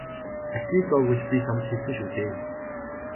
Битгий зов гэж би чамд хэлсэн шүү дээ.